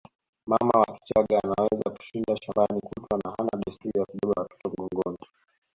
Mama wa Kichagga anaweza kushinda shambani kutwa na hana desturi ya kubeba watoto mgongoni